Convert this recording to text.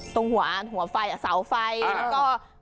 ตรงหัวไฟเสาไฟแล้วก็